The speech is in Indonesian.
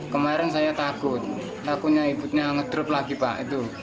kemarin saya takut takutnya ibunya ngedrop lagi pak